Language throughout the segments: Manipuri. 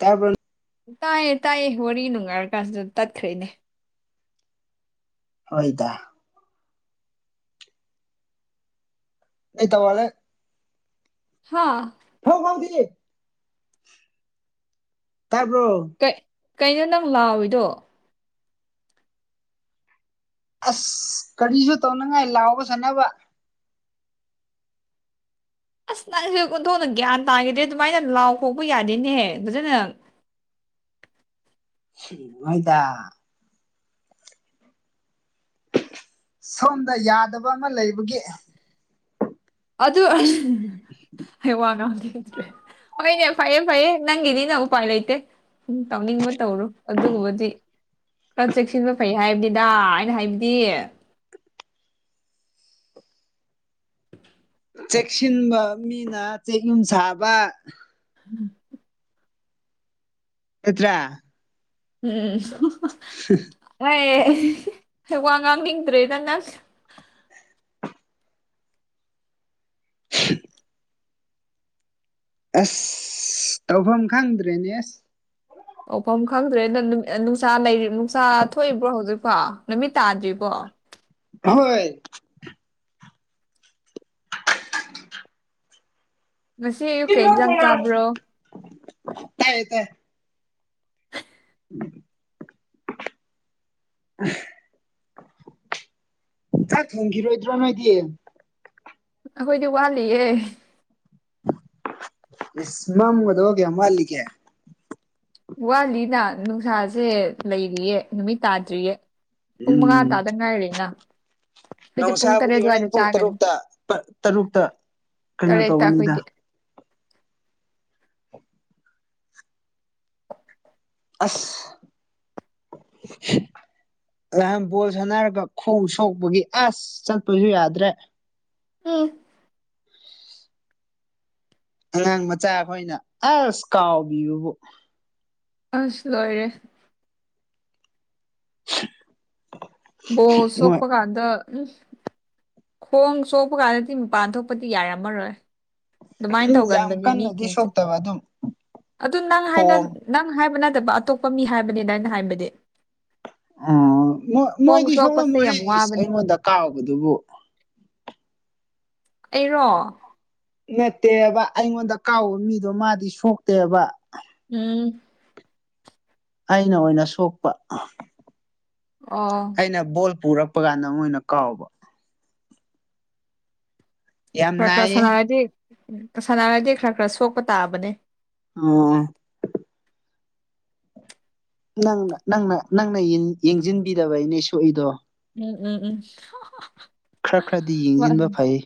ꯀꯥꯏ [unintelligible] ꯇꯥꯏꯌꯦ-ꯇꯥꯏꯌꯦ ꯋꯥꯔꯤ ꯅꯨꯡꯉꯥꯏꯔ ꯀꯥꯟꯁꯤꯗ ꯇꯠꯈ꯭ꯔꯦꯅꯦ ꯍꯣꯏꯗ ꯅ ꯇꯧ ꯋꯥꯂꯦ [unintelligible] ꯍꯥ ꯐꯥꯎ ꯐꯗꯤ ꯇꯥꯕ꯭ꯔꯣ ꯀꯩꯅꯣ ꯅꯪ ꯂꯥꯎꯏꯗꯣ ꯑꯁ ꯀꯔꯤꯁꯨ ꯇꯧꯅꯤꯉꯥꯏ ꯂꯥꯎꯕ ꯁꯥꯟꯅꯕ ꯑꯁ ꯅꯪꯁꯨ ꯑꯣꯟꯊꯣꯛꯅ ꯒ꯭ꯌꯥꯟ ꯇꯥꯈꯤꯗꯦ ꯑꯗꯨꯃꯥꯏꯅ ꯂꯥꯎ ꯀꯣꯛꯄ ꯌꯥꯗꯦꯅꯦ ꯐꯖꯅ ꯁꯤ ꯃꯣꯏꯗ ꯁꯣꯝꯗ ꯌꯥꯗꯕ ꯑꯃ ꯂꯩꯕꯒꯤ ꯑꯗꯨ [inaudible] ꯑꯩ ꯋꯥ ꯉꯥꯡꯅꯤꯡꯗ꯭ꯔꯦ ꯍꯣꯏꯅꯦ ꯐꯩꯌꯦ ꯐꯩꯌꯦ ꯅꯪꯒꯤꯗꯤꯅ ꯎꯄꯥꯏ ꯂꯩꯇꯦ꯫ ꯇꯥꯎꯅꯤꯡꯕ ꯇꯧꯔꯣ ꯑꯗꯨꯒꯨꯝꯕꯗꯤ꯫ ꯈꯔ ꯆꯦꯛꯁꯤꯟꯕ ꯐꯩ ꯍꯥꯏꯕꯅꯤꯗ ꯑꯩꯅ ꯍꯥꯏꯕꯗꯤ꯫ [inaudible] ꯆꯦꯛꯁꯤꯟꯕ ꯃꯤꯅ ꯆꯦꯛ ꯌꯨꯝ ꯁꯥꯕ꯫ ꯎꯝ꯫ ꯅꯠꯇ꯭ꯔꯥ꯫ ꯎꯝ ꯁ [unintelligible] ꯑꯦ ꯋꯥ ꯉꯥꯡꯅꯤꯡꯗ꯭ꯔꯦꯗ ꯅꯪ-ꯅꯪ [inaudible] ꯑꯁ ꯇꯧꯐꯝ ꯈꯪꯗ꯭ꯔꯦꯅꯦꯁ ꯇꯧꯐꯝ ꯈꯪꯗ꯭ꯔꯦ ꯅ ꯅꯨꯡꯁꯥ-ꯅꯨꯡꯁꯥ ꯊꯣꯛꯏꯕ꯭ꯔꯣ ꯍꯧꯖꯤꯛꯐꯥꯎ ꯅꯨꯃꯤꯠ ꯇꯥꯗ꯭ꯔꯤꯕꯣ ꯍꯣꯏ [inaudible] ꯉꯁꯤ ꯑꯌꯨꯛ ꯀꯩ ꯌꯦꯟꯖꯥꯡ ꯆꯥꯕ꯭ꯔꯣ꯫ ꯇꯥꯏꯌꯦ ꯇꯥꯏ꯫ [unintelligible] ꯆꯥꯛ ꯊꯨꯡꯒꯤꯔꯣꯏꯗ꯭ꯔꯣ ꯅꯣꯏꯗꯤ꯫ ꯑꯩꯈꯣꯏꯗꯤ ꯋꯥꯠꯂꯤꯌꯦ꯫ ꯏꯁ ꯃꯝꯒꯗꯣꯕ ꯀꯌꯥꯝ ꯋꯥꯠꯂꯤꯒꯦ꯫ ꯋꯥꯠꯂꯤꯅ ꯅꯨꯡꯁꯥꯁꯦ ꯂꯩꯔꯤꯌꯦ ꯅꯨꯃꯤꯠ ꯇꯥꯗ꯭ꯔꯤꯌꯦ꯫ ꯄꯨꯨꯝꯃꯉꯥ ꯎꯝ ꯇꯥꯗ ꯉꯥꯏꯔꯤꯅ꯫ ꯑꯩꯈꯣꯏꯗꯤ ꯄꯨꯡ ꯇꯔꯦꯠ ꯅꯨꯡꯁꯥꯕꯨꯗꯤ ꯍꯣꯔꯦꯟ ꯑꯗꯨꯋꯥꯏꯗ ꯄꯨꯡ ꯆꯥꯒꯅꯤ ꯇꯔꯨꯛꯇ ꯇꯔꯨꯛꯇ ꯀꯩꯅꯣ ꯇꯔꯦꯠꯇ ꯇꯧꯕꯅꯤꯗ꯫ ꯑꯩꯈꯣꯏꯗꯤ ꯑꯁ꯫ ꯂꯥꯟ ꯕꯣꯜ ꯁꯥꯟꯅꯔꯒ ꯈꯣꯡ ꯁꯣꯛꯄꯒꯤ ꯑꯁ ꯆꯠꯄꯁꯨ ꯌꯥꯗ꯭ꯔꯦ꯫ ꯎꯝ꯫ ꯑꯉꯥꯡ ꯃꯆꯥ ꯑꯩꯈꯣꯏꯅ ꯑꯁ ꯀꯥꯎꯕꯤꯕꯕꯨ꯫ ꯑꯁ ꯂꯣꯏꯔꯦ꯫ ꯕꯣꯜ ꯃꯣꯏ ꯁꯣꯛꯄꯀꯥꯟꯗ꯫ ꯎꯝ ꯈꯣꯡ ꯁꯣꯛꯄ ꯀꯥꯟꯗꯗꯤ ꯃꯄꯥꯟ ꯊꯣꯛꯄꯗꯤ ꯌꯥꯔꯝꯃꯔꯣꯏ꯫ ꯑꯗꯨꯃꯥꯏꯅ ꯌꯥꯝ ꯇꯧꯒꯟꯕꯅꯦ ꯀꯟꯅꯗꯤ ꯃꯤꯁꯤꯡꯁꯦ ꯁꯣꯛꯇꯕ ꯑꯗꯨꯝ ꯑꯗꯨ ꯅꯪ ꯍꯥꯏꯅ꯫ ꯄꯣꯝ ꯅꯪ ꯍꯥꯏꯕ ꯅꯠꯇꯕ ꯑꯇꯣꯞꯄ ꯃꯤ ꯍꯥꯏꯕꯅꯤꯗ ꯑꯩꯅ ꯍꯥꯏꯕꯗꯤ꯫ ꯑꯝ ꯈꯣꯡ ꯃꯣꯏꯗꯤ ꯁꯣꯛꯄꯁꯦ ꯁꯣꯛꯂꯝꯃꯣꯏꯍꯦ ꯌꯥꯝ ꯋꯥꯕꯅꯦ ꯑꯩꯉꯣꯟꯗ ꯀꯥꯎꯕꯗꯨꯕꯨ꯫ ꯑꯩꯔꯣ꯫ ꯅꯠꯇꯦꯕ ꯑꯩꯉꯣꯟꯗ ꯀꯥꯎꯕ ꯃꯤꯗꯣ ꯃꯥꯗꯤ ꯁꯣꯛꯇꯦꯕ꯫ ꯎꯝ꯫ ꯑꯩꯅ ꯑꯣꯏꯅ ꯁꯣꯛꯄ꯫ ꯑꯣ꯫ ꯑꯩꯅ ꯕꯣꯜ ꯄꯨꯔꯛꯄꯀꯥꯟꯗ ꯃꯣꯏꯅ ꯀꯥꯎꯕ꯫ ꯌꯥꯝ ꯈꯔ ꯈꯔ ꯅꯥꯏꯌꯦ ꯁꯅꯔꯗꯤ ꯁꯥꯟꯅꯔꯗꯤ ꯈꯔ ꯈꯔ ꯁꯣꯛꯄ ꯇꯥꯕꯅꯦ꯫ ꯑꯣ꯫ ꯅꯪ ꯅꯪꯅ ꯅꯪꯅ ꯌꯦꯡꯁꯤꯟꯕꯤꯗꯕꯩꯅꯦ ꯁꯣꯛꯏꯗꯣ꯫ ꯎꯝ ꯎꯝ ꯎꯝ꯫ ꯈꯔ ꯈꯔꯗꯤ ꯌꯦꯡꯁꯤꯟꯕ ꯐꯩ꯫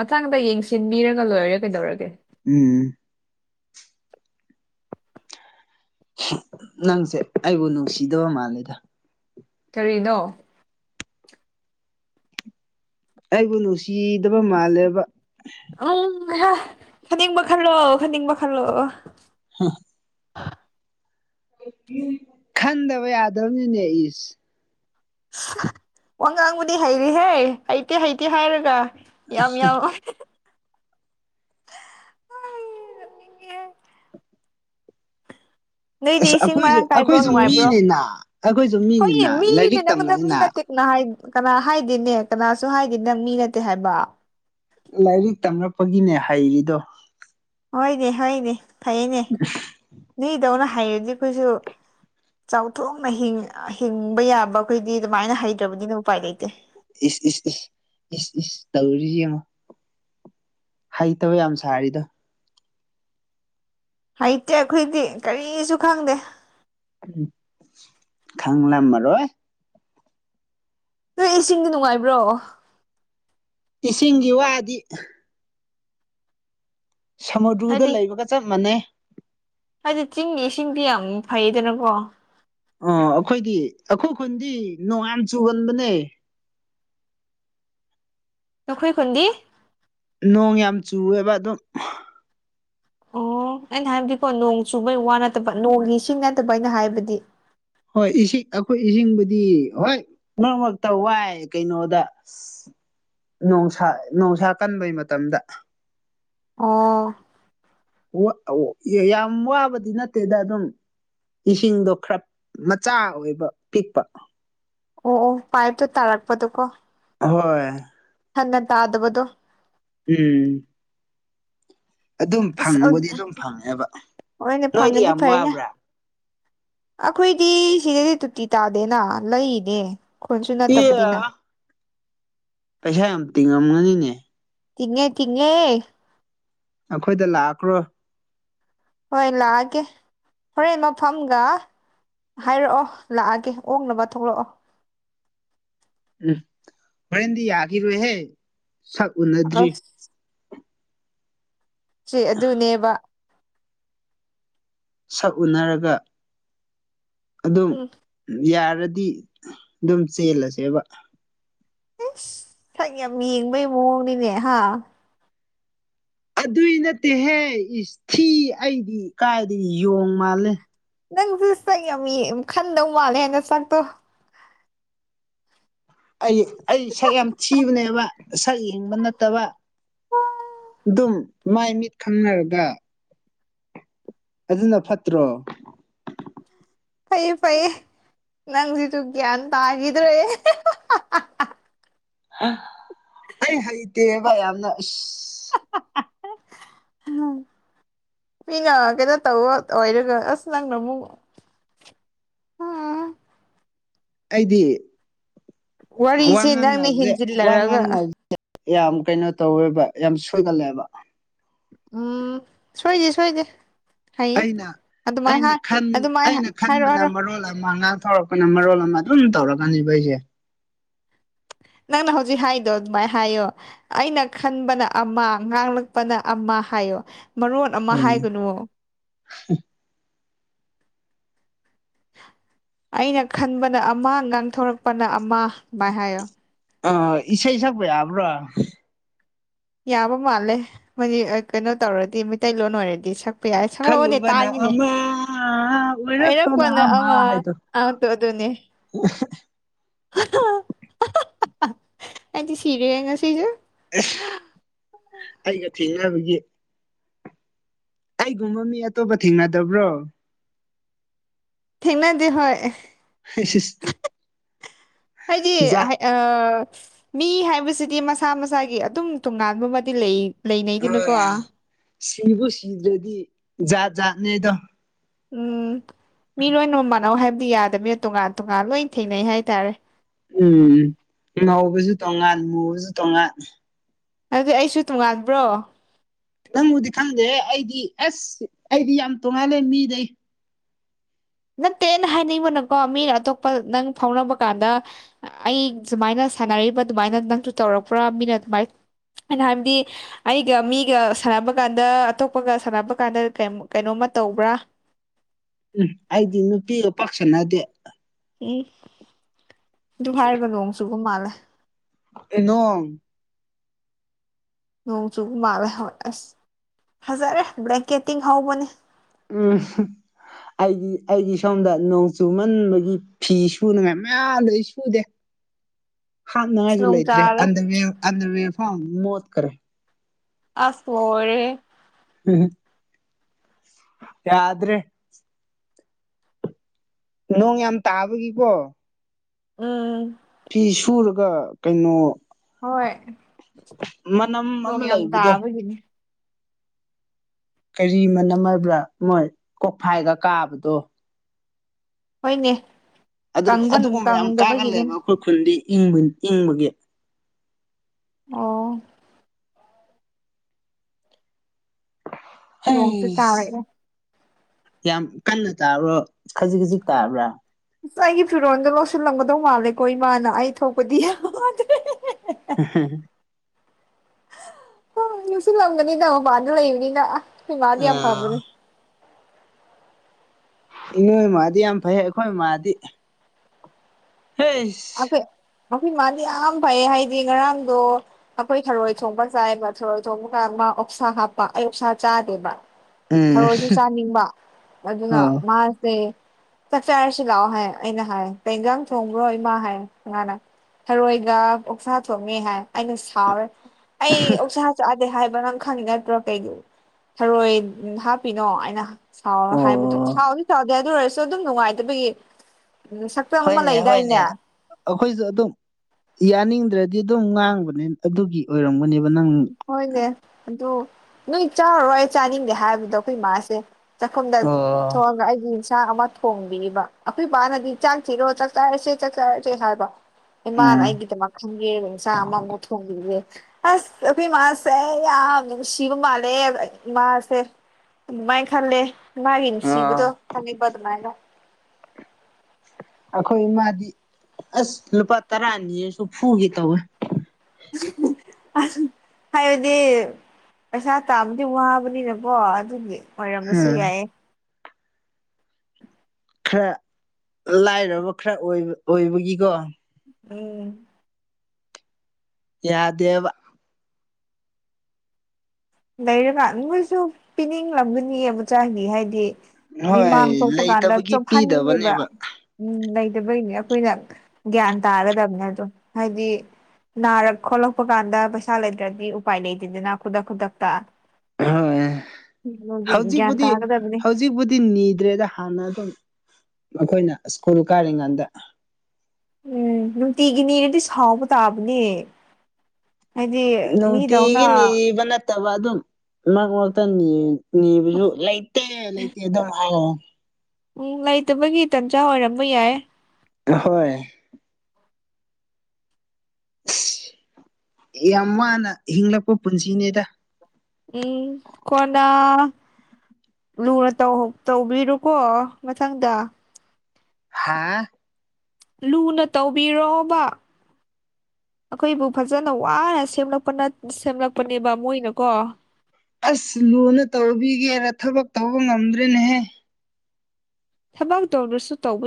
ꯃꯊꯪꯗ ꯌꯦꯡꯁꯤꯟꯕꯤꯔꯒ ꯂꯣꯏꯔꯦ ꯀꯩꯗꯧꯔꯒꯦ꯫ ꯎꯝ ꯅꯪꯁꯦ ꯑꯩꯕꯨ ꯅꯨꯡꯁꯤꯗꯕ ꯃꯥꯜꯂꯦꯗ ꯀꯔꯤꯅꯣ ꯑꯩꯕꯨ ꯅꯨꯡꯁꯤꯗꯕ ꯃꯥꯜꯂꯦꯕ ꯎꯝ ꯈꯅꯤꯡꯕ ꯈꯜꯂꯣꯑꯣ ꯈꯅꯤꯡꯕ ꯈꯜꯂꯣꯑꯣ ꯍ ꯈꯟꯗꯕ ꯌꯥꯗꯕꯅꯤꯅꯦ ꯏꯁ ꯋꯥ ꯉꯥꯡꯕꯨꯗꯤ ꯍꯩꯔꯤꯍꯦ ꯍꯩꯇꯦ ꯍꯩꯇꯦ ꯍꯥꯏꯔꯒ ꯌꯥꯝ ꯌꯥ ꯅꯣꯏꯗꯤ ꯑꯁ ꯏꯁꯤꯡ ꯑꯩꯈꯣꯏꯁꯨ ꯃꯔꯥꯡ ꯀꯥꯏꯕ꯭ꯔꯣ ꯑꯩꯈꯣꯏꯁꯨ ꯅꯨꯡꯉꯥꯏꯕ꯭ꯔꯣ ꯃꯤꯅꯤꯅ ꯑꯩꯈꯣꯏꯁꯨ ꯍꯣꯏꯅꯦ ꯃꯤꯅꯤꯅ ꯃꯤꯗꯤꯅꯦ ꯂꯥꯏꯔꯤꯛ ꯅꯪꯉꯣꯟꯗ ꯇꯝꯂꯛꯏꯅ ꯃꯤꯅ ꯀꯅꯥ ꯍꯥꯏꯗꯦꯅꯦ ꯀꯅꯥꯁꯨ ꯍꯥꯏꯗꯦ ꯅꯪ ꯃꯤ ꯅꯠꯇꯦ ꯍꯥꯏꯕ ꯂꯥꯏꯔꯤꯛ ꯇꯝꯔꯛꯄꯒꯤꯅꯦ ꯍꯩꯔꯤꯗꯣ꯫ ꯍꯣꯏꯅꯦ ꯍꯣꯏꯅꯦ ꯐꯩꯅꯦ꯫ [unintelligible] ꯅꯣꯏꯗꯧꯅ ꯍꯥꯏꯔꯗꯤ ꯑꯩꯈꯣꯏꯁꯨ꯫ ꯆꯥꯎꯊꯣꯛꯅ ꯍꯤꯡꯕ ꯌꯥꯕ ꯑꯩꯈꯣꯏꯗꯤ ꯑꯗꯨꯃꯥꯏꯅ ꯍꯩꯇꯕꯅꯤꯅ ꯎꯄꯥꯏ ꯂꯩꯇꯦ꯫ ꯏꯁ ꯏꯁ ꯏꯁ ꯏꯁ ꯏꯁ ꯇꯧꯔꯤꯁꯤ ꯌꯦꯉꯣ꯫ ꯍꯩꯇꯕ ꯌꯥꯝ ꯁꯥꯔꯤꯗꯣ꯫ ꯍꯩꯇꯦ ꯑꯩꯈꯣꯏꯗꯤ ꯀꯔꯤꯁꯨ ꯈꯪꯗꯦ꯫ ꯈꯪꯂꯝꯃꯔꯣꯏ꯫ ꯅꯣꯏ ꯏꯁꯤꯡꯗꯤ ꯅꯨꯡꯉꯥꯏꯕ꯭ꯔꯣ꯫ ꯏꯁꯤꯡꯒꯤ ꯋꯥꯗꯤ꯫ ꯁꯃꯨꯗ꯭ꯔꯨꯗ ꯍꯥꯏꯗꯤ ꯂꯩꯕꯒ ꯆꯞ ꯃꯥꯟꯅꯩ ꯍꯥꯏꯗꯤ ꯆꯤꯡ ꯏꯁꯤꯡꯗꯤ ꯌꯥꯝ ꯐꯩꯗꯅꯀꯣ ꯑꯣ ꯑꯩꯈꯣꯏꯗꯤ ꯑꯩꯈꯣꯏ ꯈꯨꯟꯗꯤ ꯅꯣꯡꯉꯥꯟ ꯆꯨꯒꯟꯕꯅꯦ ꯅꯈꯣꯏ ꯈꯨꯟꯗꯤ ꯅꯣꯡ ꯌꯥꯝ ꯆꯨꯑꯦꯕ ꯑꯗꯨꯝ ꯑꯣ ꯑꯩꯅ ꯍꯥꯏꯕꯗꯤꯀꯣ ꯅꯣꯡ ꯆꯨꯕꯒꯤ ꯋꯥ ꯅꯠꯇꯕ ꯅꯣꯡꯒꯤ ꯂꯤꯁꯤꯡ ꯅꯠꯇꯕ ꯑꯩꯅ ꯍꯥꯏꯕꯗꯤ ꯍꯣꯏ ꯏꯁꯤꯡ ꯑꯩꯈꯣꯏ ꯏꯁꯤꯡꯕꯨꯗꯤ ꯍꯣꯏ ꯃꯔꯛ ꯃꯔꯛꯇ ꯋꯥꯏ ꯀꯩꯅꯣꯗ ꯅꯣꯡꯁꯥ ꯣꯡꯁꯥ ꯀꯟꯕꯩ ꯃꯇꯝꯗ ꯑꯣ ꯌꯥꯝ ꯋꯥꯕꯗꯤ ꯅꯠꯇꯦꯗ ꯑꯗꯨꯝ ꯏꯁꯤꯡꯗꯣ ꯈꯔ ꯃꯆꯥ ꯑꯣꯏꯕ ꯄꯤꯛꯄ ꯑꯣ ꯑꯣ ꯄꯥꯏꯞꯇꯣ ꯇꯥꯔꯛꯄꯗꯨꯣꯀꯣ ꯍꯣꯏ ꯊꯟꯅ ꯇꯥꯗꯕꯗꯣ ꯎꯝ ꯑꯗꯨꯝ ꯑꯁ ꯑꯪ ꯐꯪꯕꯗꯤ ꯑꯗꯨꯝ [unintelligible] ꯐꯪꯉꯦꯕ ꯍꯣꯏꯅꯦ ꯅꯣꯏꯗꯤ ꯐꯪꯉꯗꯤ ꯌꯥꯝ ꯐꯔꯅꯦ ꯋꯥꯕ꯭ꯔꯥ ꯑꯩꯈꯣꯏꯗꯤ ꯁꯤꯗꯗꯤ ꯇꯣꯇꯤ ꯇꯥꯗꯦꯅ ꯂꯩꯔꯤꯅꯦ ꯈꯨꯟꯁꯨ ꯑꯦ ꯅꯠꯇꯕꯅꯤꯅ ꯄꯩꯁꯥ ꯌꯥꯝ ꯇꯤꯡꯉ꯭ꯔꯝꯃꯅꯤꯅꯦ ꯇꯤꯡꯉꯦ ꯇꯤꯡꯉꯦ ꯑꯩꯈꯣꯏꯗ ꯂꯥꯛꯑꯈ꯭ꯔꯣ ꯍꯣꯏ ꯂꯥꯛꯑꯒꯦ ꯍꯣꯔꯦꯟ ꯃꯐꯝꯒ ꯍꯥꯏꯔꯛꯑꯣ ꯂꯥꯛꯑꯒꯦ ꯑꯣꯛꯅꯕ ꯊꯣꯛꯂꯛꯑꯣ ꯎꯝ ꯍꯣꯔꯦꯟꯗꯤ ꯌꯥꯈꯤꯔꯣꯏꯍꯦ ꯁꯛ ꯎꯅꯗ꯭ꯔꯤ ꯑꯁ ꯆꯦ ꯑꯗꯨꯅꯦꯕ ꯁꯛ ꯎꯅꯔꯒ ꯑꯗꯨꯝ ꯎꯝ ꯌꯥꯔꯗꯤ ꯑꯗꯨꯝ ꯆꯦꯜꯂꯁꯦꯕ ꯏꯁ ꯁꯛ ꯌꯥꯝ ꯌꯦꯡꯕꯩ ꯃꯑꯣꯡꯅꯤꯅꯦ ꯍꯥ ꯑꯗꯨꯏ ꯅꯠꯇꯦꯍꯦ ꯏꯁ ꯊꯤ ꯑꯩꯗꯤ ꯀꯥꯏꯗꯒꯤ ꯌꯣꯡ ꯃꯥꯜꯂꯦ ꯅꯪꯁꯨ ꯁꯛ ꯌꯥꯝ ꯌꯦꯡ ꯈꯟꯗꯧ ꯃꯥꯜꯂꯦꯍꯦ ꯅꯁꯛꯇꯣ ꯑꯩ ꯑꯩ ꯁꯛ ꯌꯥꯝ ꯊꯤꯕꯅꯦꯕ ꯁꯛ ꯌꯦꯡꯕ ꯅꯠꯇꯕ ꯑꯗꯨꯝ ꯃꯥꯏ ꯃꯤꯠ ꯈꯪꯅꯔꯒ ꯑꯗꯨꯅ ꯐꯠꯇ꯭ꯔꯣ ꯐꯩꯌꯦ ꯐꯩꯌꯦ ꯅꯪꯁꯤꯁꯨ ꯒ꯭ꯌꯥꯟ ꯇꯥꯒꯤꯗ꯭ꯔꯦꯍꯦ [unintelligible] ꯑꯍ ꯑꯩ ꯍꯩꯇꯦꯕ ꯌꯥꯝꯅ ꯏꯁ [unintelligible] ꯃꯤꯅ ꯀꯩꯩꯅꯣ ꯇꯧꯕ ꯑꯣꯏꯔꯒ ꯑꯁ ꯅꯪꯅ ꯑꯃꯨꯛ ꯑꯩꯗꯤ ꯋꯥ ꯋꯥꯔꯤꯁꯦ ꯅꯪꯅ ꯉꯥꯡꯅꯕꯁꯦ ꯋꯥ ꯍꯦꯟꯖꯤꯜꯂꯔꯒ ꯉꯥꯡꯅꯕ__ [unintelligible] ꯌꯥꯝ ꯀꯩꯅꯣ ꯇꯧꯋꯦꯕ ꯌꯥꯝ ꯁꯣꯏꯒꯜꯂꯦꯕ ꯎꯝ ꯁꯣꯏꯗꯦ ꯁꯣꯏꯗꯦ ꯍꯩꯌꯦ ꯑꯩꯅ ꯑꯗꯨꯃꯥꯏ ꯑꯩꯅ ꯍꯥꯏ ꯈꯟ ꯑꯗꯨꯃꯥꯏ ꯑꯩꯅ ꯍꯥꯏꯔꯣ ꯍꯥꯏꯔꯣ ꯈꯟꯕꯅ ꯃꯔꯣꯜ ꯑꯃ ꯉꯥꯡꯊꯣꯔꯛ__ ꯄꯅ ꯃꯔꯣꯜ ꯑꯃ ꯑꯗꯨꯝ ꯇꯧꯔꯛꯀꯅꯤꯕ ꯑꯩꯁꯦ ꯅꯪꯅ ꯍꯧꯖꯤꯛ ꯍꯥꯏꯗꯣ ꯑꯗꯨꯃꯥꯏꯅ ꯍꯥꯏꯌꯣ ꯑꯩꯅ ꯈꯟꯕꯅ ꯑꯃ ꯉꯥꯡꯂꯛꯄꯅ ꯑꯃ ꯍꯥꯏꯌꯣ ꯃꯔꯣꯟ ꯑꯃ ꯎꯝ ꯍꯥꯏꯒꯅꯨꯋꯣ [unintelligible] ꯑꯩꯅ ꯈꯟꯕꯅ ꯑꯃ ꯉꯥꯡꯊꯣꯔꯛꯄꯅ ꯑꯃ ꯑꯗꯨꯃꯥꯏ ꯍꯥꯏꯌꯣ ꯑꯥ ꯏꯁꯩ ꯁꯛꯄ ꯌꯥꯕ꯭ꯔꯣ ꯌꯥꯕ ꯃꯥꯜꯂꯦ ꯃꯣꯏꯗꯤ ꯀꯩꯅꯣ ꯇꯧꯔꯗꯤ ꯃꯩꯇꯩꯂꯣꯟ ꯑꯣꯏꯔꯗꯤ ꯁꯛ ꯄ ꯌꯥꯏ ꯁꯪꯂꯛꯑꯣꯅꯦ ꯈꯜꯂꯨꯕꯅ ꯇꯥꯒꯦꯅꯦ ꯑꯃ ꯑꯣꯏꯔꯛꯄꯅ ꯑꯃ ꯑꯪꯠꯇꯣ ꯑꯗꯨꯅꯦ [unintelligible] [unintelligible] ꯑꯩꯗꯤ ꯁꯤꯔꯦꯍꯦ ꯉꯁꯤꯁꯦ ꯑꯦꯍ ꯑꯩꯒ ꯊꯦꯡꯅꯕꯒꯤ ꯑꯩꯒꯨꯝꯕ ꯃꯤ ꯑꯇꯣꯞꯄ ꯊꯦꯡꯅꯗꯕ꯭ꯔꯣ ꯊꯦꯡꯅꯗꯦ ꯍꯣꯏ [unintelligible] ꯍꯥꯏꯗꯤ ꯖꯥꯠ ꯑꯥ ꯃꯤ ꯍꯥꯏꯕꯁꯤꯗꯤ ꯃꯁꯥ ꯃꯁꯥꯒꯤ ꯑꯗꯨꯝ ꯇꯣꯉꯥꯟꯕ ꯑꯃꯗꯤ ꯂꯩꯌꯦ ꯑ [unintelligible] ꯁꯤꯕꯨ ꯁꯤꯗ꯭ꯔꯗꯤ ꯖꯥꯠ ꯖꯥꯠꯅꯦꯗꯣ ꯎꯝ ꯃꯤ ꯂꯣꯏꯅꯃꯛ ꯃꯥꯟꯅꯧ ꯍꯥꯏꯕꯗꯤ ꯌꯥꯗꯕꯅꯤꯅ ꯇꯣꯉꯥꯟ ꯇꯣꯉꯥꯟ ꯂꯣꯏ ꯊꯦꯡꯅꯩ ꯍꯥꯏꯇꯥꯔꯦ ꯎꯝ ꯊꯦꯡꯅꯍꯧꯕꯁꯨ ꯇꯣꯡꯉꯥꯟ ꯃꯨꯕꯁꯨ ꯇꯣꯡꯉꯥꯟ ꯑꯗꯨ ꯑꯩꯁꯨ ꯇꯣꯉꯥꯟꯕ꯭ꯔꯣ ꯅꯪꯕꯨꯗꯤ ꯈꯪꯗꯦꯍꯦ ꯑꯩꯗꯤ ꯑꯁ ꯑꯩꯗꯤ ꯌꯥꯝ ꯇꯣꯡꯉꯥꯜꯂꯦ ꯃꯤꯗꯩ ꯅꯠꯇꯦ ꯑꯩꯅ ꯍꯥꯏꯅꯤꯡꯕꯅꯀꯣ ꯃꯤꯅ ꯑꯇꯣꯞꯄ ꯅꯪ ꯐꯥꯎꯅꯕ ꯀꯥꯟꯗ ꯑꯩ ꯁꯨꯃꯥꯏꯅ ꯁꯥꯟꯅꯔꯤꯕ ꯑꯗꯨꯃꯥꯏꯅ ꯅꯪꯁꯨ ꯇꯧꯔꯛꯄ꯭ꯔꯥ ꯃꯤꯅ ꯑꯗꯨꯃꯥꯏ ꯑꯩꯅ ꯍꯥꯏꯕꯗꯤ ꯑꯩꯒ ꯃꯤꯒ ꯁꯥꯟꯅꯕ ꯀꯥꯟꯗ ꯑꯇꯣꯞꯄꯒ ꯁꯥꯟꯅꯕ ꯀꯥꯟꯗ ꯀꯦꯝ ꯀꯩꯅꯣꯝꯃ ꯇꯧꯕ꯭ꯔꯥ ꯎꯝꯍ ꯑꯩꯗꯤ ꯅꯨꯄꯤꯒ ꯄꯥꯛ ꯁꯥꯅꯗꯦ ꯑꯦ ꯑꯗꯨ ꯍꯥꯏꯔꯒ ꯅꯣꯡ ꯆꯨꯕ ꯃꯥꯜꯂꯦ ꯅꯣꯡ ꯅꯣꯡ ꯆꯨꯕ ꯃꯥꯜꯂꯦ ꯍ‌ꯣꯏ ꯑꯁ ꯐꯖꯔꯦ ꯕ꯭ꯂꯦꯡꯀꯦꯠ ꯇꯤꯡꯍꯧꯕꯅꯤ ꯎꯝ ꯑꯩꯗꯤ ꯑꯩꯗꯤ ꯁꯣꯝꯗ ꯅꯣꯡ ꯆꯨꯃꯟꯕꯒꯤ ꯐꯤ ꯁꯨꯅꯉꯥꯏ ꯃꯌꯥꯝ ꯂꯩ ꯁꯨꯗꯦ ꯑꯁ ꯍꯥꯞꯅꯉꯥꯏꯖꯨ ꯅꯣꯡ ꯂꯩꯇ꯭ꯔꯦ ꯇꯥꯔꯦ ꯑꯟꯗꯔꯋ‌ꯦꯌꯔ ꯑꯟꯗꯔꯋ‌ꯦꯌꯔ ꯐꯥꯎ ꯃ‌ꯣꯠꯈ꯭ꯔꯦ ꯑꯁ ꯂ‌ꯣꯏꯔꯦꯍ‌ꯦ [unintelligible] ꯌꯥꯗ꯭ꯔꯦ ꯅꯣꯡ ꯌꯥꯝ ꯇꯥꯕꯒꯤꯀꯣ ꯎꯝ ꯐꯤ ꯁꯨꯔꯒ ꯀꯩꯅꯣ ꯍꯣꯏ ꯃꯅꯝ ꯅꯣꯡ ꯑꯃ ꯌꯥꯝ ꯂꯩꯕꯗꯣ ꯇꯥꯕꯒꯤꯅꯤ ꯀꯔꯤ ꯃꯅꯝ ꯍꯥꯏꯕ꯭ꯔꯥ ꯃꯣꯏ ꯀꯣꯛꯐꯥꯏꯒ ꯀꯥꯕꯗꯣ ꯍꯣꯏꯅꯦ ꯑꯗꯨ ꯀꯪꯕ ꯑꯗꯨꯒꯨꯝꯕ ꯌꯥꯝ ꯀꯪꯗꯕꯒꯤꯅꯦ ꯀꯥꯒꯜꯂꯦꯕ ꯑꯩꯈꯣꯏ ꯈꯨꯟꯗꯤ ꯏꯪꯕ ꯏꯪꯕꯒꯤ ꯑꯣ ꯅꯣꯡꯁꯨ ꯑꯩꯁ ꯇꯥꯔꯛꯑꯦ ꯌꯥꯝ ꯀꯟꯅ ꯇꯥꯕ꯭ꯔꯣ ꯈꯖꯤꯛ ꯈꯖꯤꯛ ꯇꯥꯕ꯭ꯔꯥ ꯑꯁ ꯑꯩꯒꯤ ꯐꯤꯔꯣꯟꯗꯣ ꯂꯧꯁꯤꯜꯂꯝꯒꯗꯧ ꯃꯥꯜꯂꯦꯀꯣ ꯏꯃꯥꯅ ꯑꯩ ꯊꯣꯛꯄꯗꯤ [unintelligible] ꯗ꯭ꯔꯦ [unintelligible] ꯍ ꯂꯧꯁꯜꯂꯝꯒꯅꯤꯗ ꯃꯄꯥꯟꯗ ꯂꯩꯕꯅꯤꯅ ꯈ‌ꯣꯏ ꯃꯥꯗꯤ ꯌꯥꯝ ꯑꯥ ꯐꯕꯅꯦ ꯅꯣꯏ ꯃꯥꯗꯤ ꯌꯥꯝ ꯐꯩ ꯑꯩꯈꯣꯏ ꯃꯥꯗꯤ [unintelligible] ꯑꯩꯈꯣꯏ ꯑꯩꯈꯣꯏ ꯃꯥꯗꯤ ꯌꯥꯝ ꯐꯩ ꯍꯥꯏꯗꯤ ꯉꯔꯥꯡꯗꯣ ꯑꯩꯈꯣꯏ ꯊꯔꯣꯏ ꯊ‌ꯣꯡꯕ ꯆꯥꯏꯕ ꯊꯔꯣꯏ ꯊ‌ꯣꯡꯕ ꯀꯥꯟ ꯃꯥ ꯑꯣꯛꯁꯥ ꯍꯥꯞꯄ ꯑꯩ ꯑꯣꯛꯁꯥ ꯆꯥꯗꯦꯕ ꯎꯝ ꯊꯔꯣꯏꯁꯨ ꯆꯥꯅꯤꯡꯕ ꯑꯗꯨꯅ ꯑꯣ ꯃꯥꯁꯦ ꯆꯥꯛ ꯆꯔꯁꯤ ꯂꯥꯛꯑꯣ ꯍꯥꯏ ꯑꯩꯅ ꯍꯥꯏ ꯀꯩ ꯏꯟꯖꯥꯡ ꯊꯣꯡꯕ꯭ꯔꯣ ꯏꯃꯥ ꯍꯥꯏ ꯃꯥꯥꯅ ꯊꯔꯣꯏꯒ ꯑꯣꯛꯁꯥ ꯊꯣꯡꯉ‌ꯦ ꯍꯥꯏ ꯑꯩꯅ ꯁꯥꯎꯔꯦ ꯑꯩ ꯑꯣꯛꯁꯥ ꯆꯥ ꯗꯦ ꯍꯥꯏꯕ ꯅꯪ ꯈꯪꯉꯤ ꯅꯠꯇ꯭ꯔꯣ ꯀꯩꯒꯤ ꯊꯔꯣꯏ ꯍꯥꯞꯄꯤꯅꯣ ꯑꯩꯅ ꯁꯥꯎꯔ ꯍꯥꯏꯕꯗꯣ ꯑꯣ ꯁꯥꯎꯗꯤ ꯁꯥꯎꯗꯦ ꯑꯗꯨ ꯑꯣꯏꯔꯁꯨ ꯑꯗꯨꯝ ꯅꯨꯡꯉꯥꯏꯇꯕꯒꯤ ꯃꯁꯛ ꯍꯣꯏꯅꯦ ꯍꯣꯏꯅꯦ ꯑꯩꯈꯣꯏꯖꯨ ꯑꯗꯨꯝ ꯌꯥꯅꯤꯡꯗ꯭ꯔꯗꯤ ꯑꯗꯨꯝ ꯉꯥꯡꯕꯅꯦ ꯑꯗꯨꯒꯤ ꯑꯣꯏꯔꯝꯒꯅꯦꯕ ꯅꯪ ꯍꯣꯏꯅꯦ ꯑꯗꯨ ꯅꯣꯏ ꯆꯥꯔꯣ ꯑꯩ ꯆꯥꯅꯤꯡꯗꯦ ꯍꯥꯏꯕꯗꯣ ꯑꯩꯈꯣꯏ ꯏꯃꯥꯥꯁꯦ ꯆꯥꯛꯈꯨꯝꯗ ꯑꯣ ꯊꯣꯛꯑꯒ ꯑꯩꯒꯤ ꯆꯥꯥꯛ ꯑꯃ ꯊꯣꯡꯕꯤꯔꯤꯕ ꯑꯩꯈꯣꯏ ꯄꯥꯅꯗꯤ ꯆꯥꯛ ꯊꯤꯔꯣ ꯆꯥꯛ ꯆꯥꯔꯁꯦ ꯆꯥꯛ ꯆꯥꯔꯁꯦ ꯍꯥꯏꯕ ꯏꯃꯥꯅ ꯎꯝ ꯑꯩꯒꯤꯗꯃꯛ ꯈꯪꯕꯤꯔꯒ ꯏꯟꯁꯥꯡ ꯑꯃꯃꯨꯛ ꯊꯣꯡꯕꯤꯌ‌ꯦ ꯑꯁ ꯑꯕ‌ꯦꯝꯃꯥ ꯑꯁ ꯑꯩ ꯌꯥꯝ ꯅꯨꯡꯁꯤꯕ ꯃꯥꯜꯂ‌ꯦ ꯏꯃꯥꯁꯦ ꯗꯨꯃꯥꯏ ꯈꯜꯂ‌ꯦ ꯏꯃꯥꯒꯤ ꯅꯨꯡꯁꯤꯕꯗꯣ ꯑꯣ ꯈꯪꯕꯤꯕ ꯗꯨꯃꯥꯏꯅ ꯑꯩꯈꯣꯏ ꯏꯃꯥꯗꯤ ꯑꯁ ꯂꯨꯄꯥ ꯇꯔꯥ ꯅꯤꯔꯁꯨ ꯐꯨꯒ‌ꯦ ꯇꯧꯋꯦ [unintelligible] ꯍꯥꯏꯕꯗꯤ ꯄꯩꯁꯥ ꯇꯥꯟꯕꯗꯤ ꯋꯥꯕꯅꯤꯅꯀꯣ ꯑꯗꯨꯒꯤ ꯑꯣꯏꯔꯝꯕꯁꯨ ꯎꯝ ꯌꯥꯏꯌ‌ꯦ ꯈꯔ ꯂꯥꯏꯔꯕ ꯈꯔ ꯑꯣꯏꯕ ꯑꯣꯏꯕꯒꯤꯀꯣ ꯎꯝ ꯌꯥꯗꯦꯕ ꯂꯩꯔꯒ ꯃꯣꯏꯁꯨ ꯄꯤꯅꯤꯡꯂꯝꯒꯅꯤꯌꯦ ꯃꯆꯥꯥꯒꯤ ꯍꯥꯏꯗꯤ ꯃꯤꯃꯥꯡ ꯍꯣꯏ ꯊꯣꯛꯄ ꯀꯥꯟꯗ ꯂꯩꯇꯕꯒꯤ ꯆ‌ꯣꯞꯍꯟꯅꯤꯡꯗꯦꯕ ꯄꯤꯗꯕꯅꯦꯕ ꯎꯝ ꯂꯩꯇꯕꯩꯅ‌ꯦ ꯑꯩꯈꯣꯏꯅ ꯒ꯭ꯌꯥꯟ ꯇꯥꯒꯗꯕꯅꯤ ꯑꯗꯨ ꯍꯥꯏꯗꯤ ꯅꯥꯔꯛ ꯈꯣꯠꯂꯛꯄ ꯀꯥꯟꯗ ꯄꯩꯁꯥ ꯂꯩꯇ꯭ꯔꯗꯤ ꯎꯄꯥꯏ ꯂꯩꯇꯦꯗꯅ ꯈꯨꯗꯛ ꯈꯨꯗꯛꯇ ꯍꯣꯏ [unintelligible] ꯗꯤ ꯒ꯭ꯌꯥꯟ ꯇꯥꯅꯒꯗꯕꯅꯤ ꯇꯤ ꯅꯤꯗ꯭ꯔꯦꯗ ꯍꯥꯟꯅ ꯑꯗꯨꯝ ꯃꯈꯣꯏꯅ ꯁ꯭ꯀꯨꯜ ꯀꯥꯔꯤꯉꯥꯟꯗ ꯎꯝ ꯅꯨꯡꯇꯤꯒꯤꯅꯤꯅꯗꯤ ꯁꯥꯎꯕ ꯇꯥꯕꯅꯦ ꯍꯥꯏꯗꯤ ꯅꯨꯡꯇꯤ ꯃꯤꯗꯧꯅ ꯅꯤꯕꯅ ꯇꯕ ꯑꯗꯨꯝ ꯃꯔꯛ ꯃꯔꯛꯇ ꯅꯤ ꯅꯤꯕꯁꯨ ꯂꯩꯇꯦ ꯂꯩꯇꯦ ꯑꯗꯨꯝ [unintelligible] ꯎꯝ ꯂꯩꯇꯕꯒꯤ ꯇꯟꯖꯥ ꯑꯣꯏꯔꯝꯕ ꯌꯥꯏ ꯍꯣꯏ ꯑꯁ ꯌꯥꯝ ꯋꯥꯅ ꯍꯤꯡꯂꯛꯄ ꯄꯨꯟꯁꯤꯅꯦꯗ ꯎꯝ [unintelligible] ꯂꯨꯅ ꯇꯧ ꯇꯧꯕꯤꯔꯨꯀꯣ ꯃꯊꯪꯗ ꯍꯥꯥ ꯂꯨꯅ ꯇꯧꯕꯤꯔꯣꯕ ꯑꯩꯈꯣꯏꯕꯨ ꯐꯖꯅ ꯋꯥꯅ ꯁꯦꯝꯂꯛꯄ ꯁꯦꯝꯂꯛꯄꯅꯦꯕ ꯃꯣꯏꯅꯀꯣ ꯑꯁ ꯂꯨꯅ ꯇꯧꯕꯤꯒꯦꯔ ꯊꯕꯛ ꯇꯧꯕ ꯉꯝꯗ꯭ꯔꯦꯅꯦꯍꯦ ꯊꯕꯛ ꯇꯧꯗ꯭ꯔꯁꯨ ꯇꯧꯕ